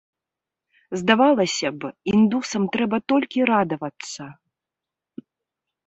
Здавалася б, індусам трэба толькі радавацца.